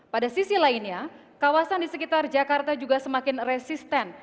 pada sisi lainnya kawasan di sekitar jakarta juga semakin resisten